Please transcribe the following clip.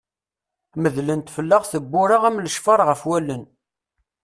Neddlent fell-aɣ tewwura am lecfar ɣef wallen.